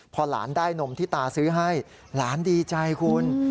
พอหลานได้นมที่ตาซื้อให้หลานดีใจคุณ